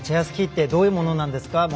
スキーってどういうものなんですか？